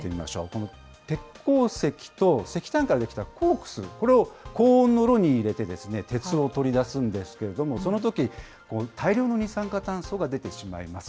この鉄鉱石と石炭から出来たコークス、これを高温の炉に入れて鉄を取り出すんですけれども、そのとき、大量の二酸化炭素が出てしまいます。